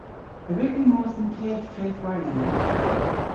A wrug vy mos dhe'n keth treth warlena?